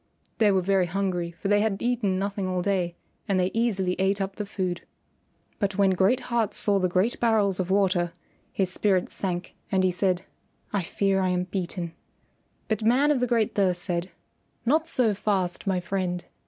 They were very hungry, for they had eaten nothing all day and they easily ate up the food. But when Great Heart saw the great barrels of water, his spirits sank, and he said, "I fear I am beaten." But Man of the Great Thirst said, "Not so fast, my friend.